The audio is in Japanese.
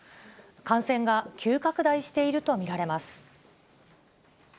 感染が急拡大していると見られます。